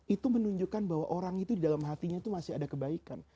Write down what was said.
itu menunjukkan bahwa orang itu di dalam hatinya itu masih ada kebaikan